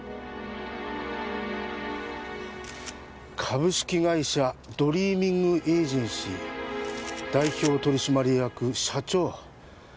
「株式会社ドリーミングエージェンシー代表取締役社長竹山祐子」か。